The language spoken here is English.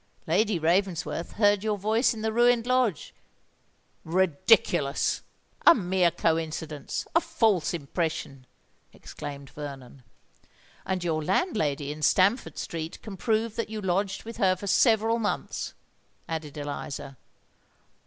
Lady Ravensworth heard your voice in the ruined lodge——" "Ridiculous!—a mere coincidence—a false impression!" exclaimed Vernon. "And your landlady in Stamford Street can prove that you lodged with her for several months," added Eliza.